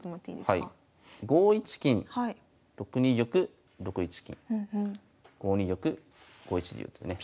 ５一金６二玉６一金５二玉５一竜とね。